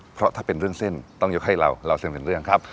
เพราะถ้าเป็นเรื่องเส้นต้องยกให้เราเล่าเส้นเป็นเรื่องครับ